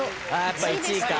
やっぱ１位か。